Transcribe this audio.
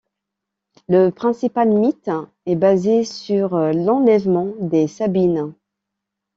Le principal mythe est basé sur l'enlèvement des Sabines.